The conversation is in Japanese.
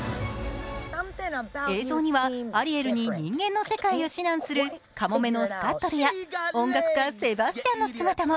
映像にはアリエルに人間の世界を指南するカモメのスカットルや、音楽家・セバスチャンの姿も。